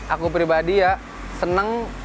aku pribadi ya seneng